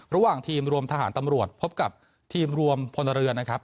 ระหว่างทีมรวมทหารตำรวจพบกับทีมรวมพลเรือนนะครับ